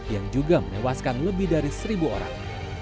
yang juga menewaskan lebih dari seribu orang